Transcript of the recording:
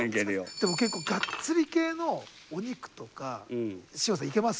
でも結構ガッツリ系のお肉とか慎吾さんいけます？